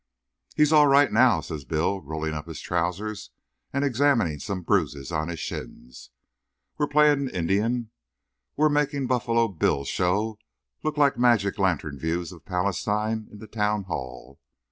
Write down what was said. "He's all right now," says Bill, rolling up his trousers and examining some bruises on his shins. "We're playing Indian. We're making Buffalo Bill's show look like magic lantern views of Palestine in the town hall.